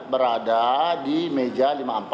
berada di meja lima puluh empat